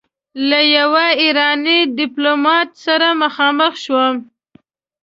له يوه ايراني ډيپلومات سره مخامخ شوم.